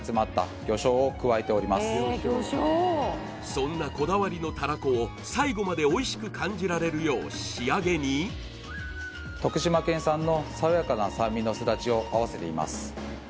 そんなこだわりのたらこを最後までおいしく感じられるよう仕上げに徳島県産の爽やかな酸味のすだちを合わせています